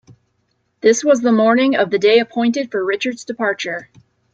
This was the morning of the day appointed for Richard's departure.